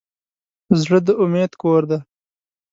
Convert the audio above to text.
زړه د امید کور دی.